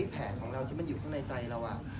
แผนของเราที่มันอยู่ข้างในใจเรา